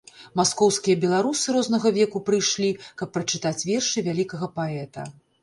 Маскоўскія беларусы рознага веку прыйшлі, каб прачытаць вершы вялікага паэта.